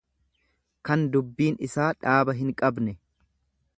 kan dubbiin isaa, dhaaba hinqabne.